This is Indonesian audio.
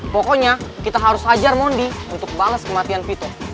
pokoknya kita harus hajar mondi untuk bales kematian vito